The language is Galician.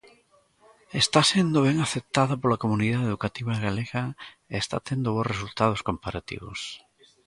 Está sendo ben aceptada pola comunidade educativa galega e está tendo bos resultados comparativos.